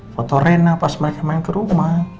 foto rena pas mereka main ke rumah